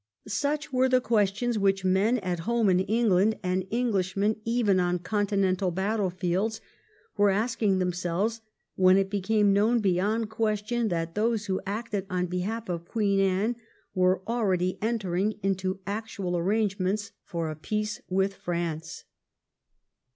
Such were the questions which men at home in England, and Englishmen even on Continental battlefields, were asking themselves when it became known beyond question that those who acted on behalf of Queen Anne were already entering into actual arrangements for a peace with France.